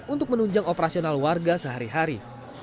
untuk menunjang operasional warga sehari hari